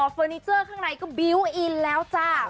เฟอร์นิเจอร์ข้างในก็บิวต์อินแล้วจ้า